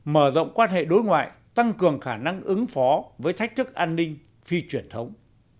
mở rộng quan hệ đối ngoại tăng cường khả năng ứng phó với thách thức an ninh phi truyền thống